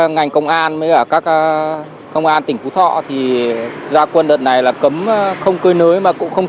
ngành công an với cả các công an tỉnh phú thọ thì gia quân đợt này là cấm không cơi nới mà cũng không